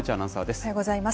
おはようございます。